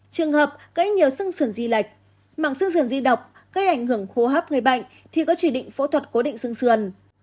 trường hợp gãy nhiều sừng sườn di lệch mảng sừng sườn di độc gây ảnh hưởng khô hấp người bệnh thì có chỉ định phẫu thuật cố định sừng sườn